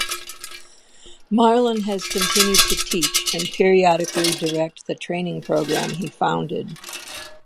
Marlan has continued to teach and periodically direct the training program he founded.